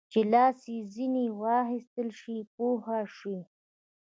چې لاس ځینې واخیستل شي پوه شوې!.